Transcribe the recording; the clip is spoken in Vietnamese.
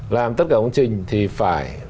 làm tất cả công trình thì phải